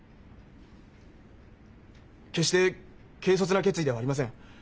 決して軽率な決意ではありません。